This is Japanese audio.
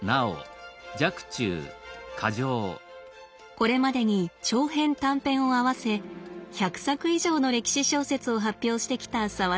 これまでに長編短編を合わせ１００作以上の歴史小説を発表してきた澤田さん。